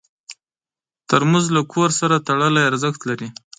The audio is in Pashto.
ترموز له کور سره تړلی ارزښت لري.